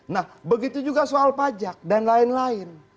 nah begitu juga soal pajak dan lain lain